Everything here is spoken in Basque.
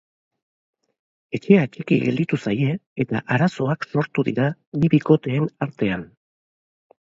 Etxea txiki gelditu zaie eta arazoak sortu dira bi bikoteen artean.